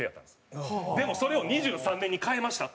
でもそれを２３年に変えましたって。